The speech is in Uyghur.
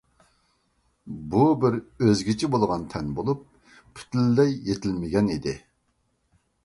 بۇ بىر ئۆزگىچە بولغان تەن بولۇپ، پۈتۈنلەي يېتىلمىگەن ئىدى.